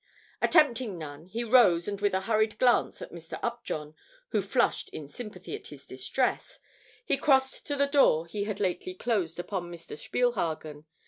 Attempting none, he rose and with a hurried glance at Mr. Upjohn who flushed in sympathy at his distress, he crossed to the door he had lately closed upon Mr. Spielhagen.